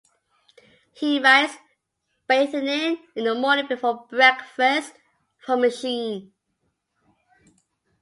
He writes: Bathing in the morning before breakfast from a machine.